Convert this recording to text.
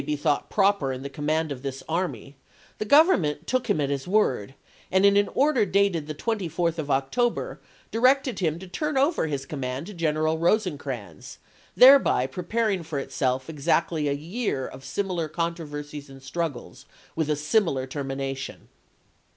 be thought proper in the command of this army," y^ ^yj^ the Grovernment took him at his word, and in an ^p^g""' order dated the 24th of October directed him to turn over his command to General Rosecrans — n>id.,p.642. thereby preparing for itself exactly a year of simi lar controversies and struggles, with a similar termination.